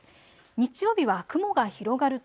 日曜日は雲が広がると